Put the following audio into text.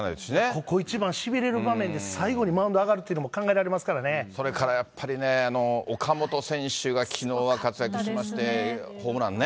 ここ一番、しびれる場面で最後にマウンド上がるというのも考それからやっぱりね、岡本選手が、きのうは活躍しまして、ホームランね。